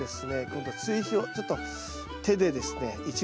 今度追肥をちょっと手でですね